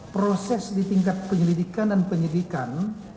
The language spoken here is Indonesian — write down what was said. proses di tingkat penyelidikan dan penyidikan